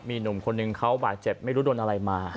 มีหนุ่มคนหนึ่งเขาบาดเจ็บไม่รู้โดนอะไรมา